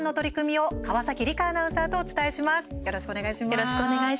よろしくお願いします。